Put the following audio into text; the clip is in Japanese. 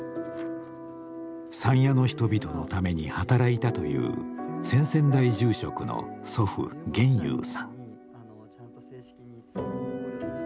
山谷の人々のために働いたという先々代住職の祖父現祐さん。